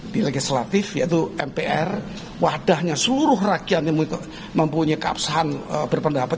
di legislatif yaitu mpr wadahnya seluruh rakyat mempunyai keabsahan berpendapat